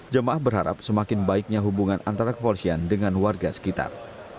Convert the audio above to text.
jemaah berharap semakin baiknya hubungan antara kepolisian dengan warga sekitar